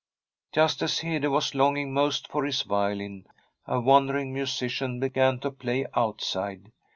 Just as Hede was longing most for his violin a wandering musician began to play outside.